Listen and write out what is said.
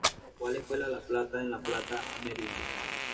Fue a la escuela La Plata en La Plata, Maryland.